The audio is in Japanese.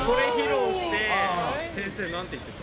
先生、なんて言ってた？